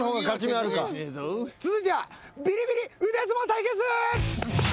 続いてはビリビリ腕相撲対決！